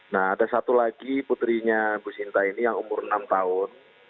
nah ada satu lagi putrinya ibu sinta ini yang umur enam tahun